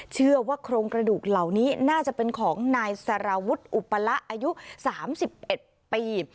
เชื่อว่าโครงกระดูกเหล่านี้น่าจะเป็นของนายสารวุฒิอุปละอายุ๓๑ปี